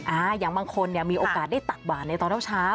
อย่างบางคนเนี่ยมีโอกาสได้ตักบาดในตอนเช้าเช้า